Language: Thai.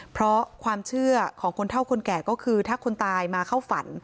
เพราะความเชื่อของคนเท่าคนแก่ก็คือถ้าคนตายมาเข้าฝัน